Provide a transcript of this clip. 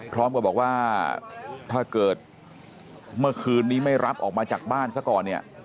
พร้อมกับบอกว่าถ้าเกิดเมื่อคืนนี้ไม่รับออกมาจากบ้านซะก่อนเนี่ย